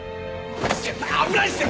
先輩危ないっすよ。